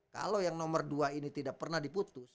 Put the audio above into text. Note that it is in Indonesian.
kalau yang nomor dua ini tidak pernah diputus